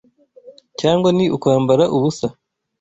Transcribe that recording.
Cyangwa ni ukwambara ubusa